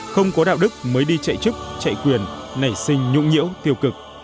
không có đạo đức mới đi chạy chức chạy quyền nảy sinh nhũng nhiễu tiêu cực